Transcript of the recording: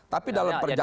tapi dalam perjalanan